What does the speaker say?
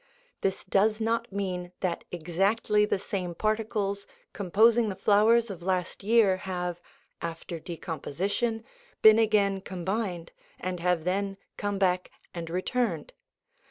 This does not mean that exactly the same particles composing the flowers of last year have, after decomposition, been again combined, and have then come back and returned.